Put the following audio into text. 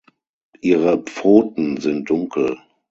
Ihre Pfoten sind dunkel.